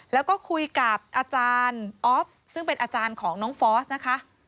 แล้วก็คุยกับอาจารย์ออฟซึ่งเป็นอาจารย์ของน้องฟอสนะคะ